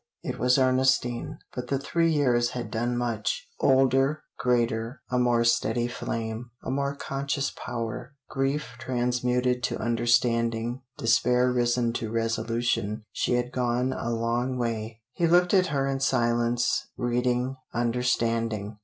It was Ernestine but the three years had done much. Older greater a more steady flame a more conscious power grief transmuted to understanding despair risen to resolution she had gone a long way. He looked at her in silence reading, understanding.